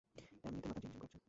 এমনিতে মাথা ঝিমঝিম করছে।